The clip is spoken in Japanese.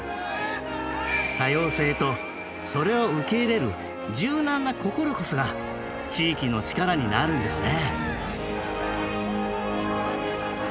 多様性とそれを受け入れる柔軟な心こそが地域の力になるんですね。